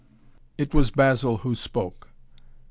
It was Basil who spoke.